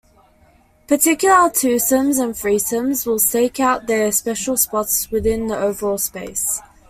Particular twosomes and threesomes will stake out their special spots within the overall space.